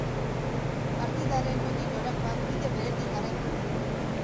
Partidaren nondik norakoak bide beretik jarraitu du.